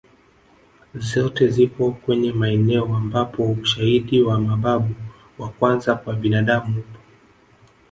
Zote zipo kwenye maeneo ambapo ushaidi wa mababu wa kwanza kwa binadamu upo